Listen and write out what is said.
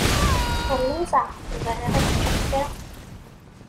Luẓeɣ, bɣiɣ ad ččeɣ kra.